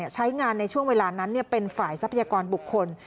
ใช้งานในช่วงเวลานั้นเป็นฝ่ายทรัพยากรบุคคล